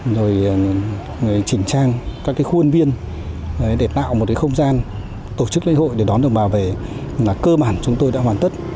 rồi chỉnh trang các khuôn viên để tạo một không gian tổ chức lễ hội để đón đồng bào về là cơ bản chúng tôi đã hoàn tất